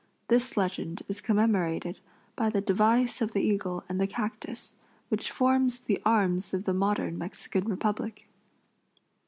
This legend is commemorated by the device of the eagle and the cactus, which forms the arms of the modern Mexican Republic.